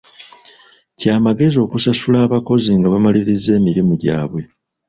Kya magezi okusasula abakozi nga bamalirizza emirimu gyabwe.